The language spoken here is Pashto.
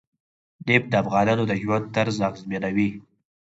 نفت د افغانانو د ژوند طرز اغېزمنوي.